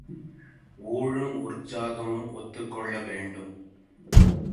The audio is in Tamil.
ஊழும் உற்சாகமும் ஒத்துக்கொள்ள வேண்டும்.